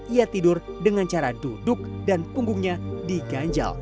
ia tidur dengan cara duduk dan punggungnya diganjal